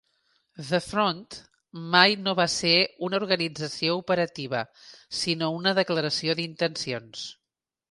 The Front mani no va ser una organització operativa, sinó una declaració d'intencions.